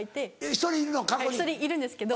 １人いるんですけど。